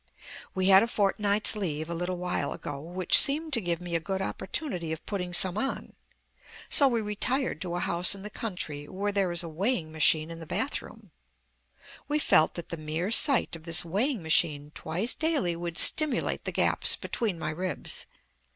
We had a fortnight's leave a little while ago, which seemed to give me a good opportunity of putting some on. So we retired to a house in the country where there is a weighing machine in the bathroom. We felt that the mere sight of this weighing machine twice daily would stimulate the gaps between my ribs.